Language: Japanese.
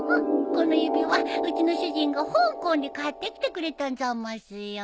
この指輪うちの主人が香港で買ってきてくれたんざますよ。